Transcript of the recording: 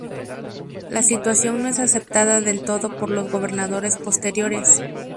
La situación no es aceptada del todo por los gobernadores posteriores.